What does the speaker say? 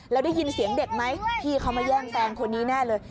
แล้วได้ยินเสียงเด็กไหมพี่เขามาแย่งแฟนคนนี้แน่เลย